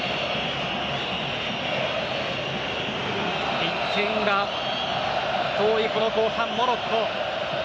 １点が遠い後半、モロッコ。